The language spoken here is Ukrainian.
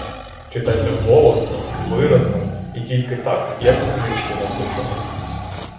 Читайте голосно, виразно і тільки так, як у книжці написано.